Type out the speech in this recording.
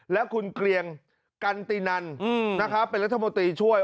และคุณเกลียงกันตินันนะครับเป็นรัฐมนตรีช่วย